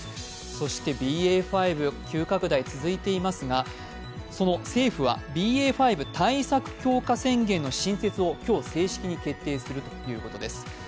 そしてＢＡ．５、急拡大が続いていますが政府はＢＡ．５対策強化宣言の新設を今日、正式に決定するということです。